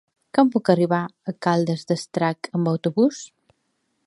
Com puc arribar a Caldes d'Estrac amb autobús?